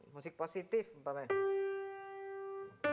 musik positif apa namanya